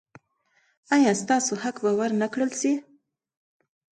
ایا ستاسو حق به ور نه کړل شي؟